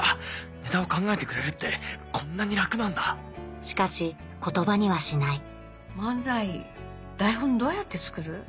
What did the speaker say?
ネタを考えてくれるってこんなに楽なんだしかし言葉にはしない漫才台本どうやって作る？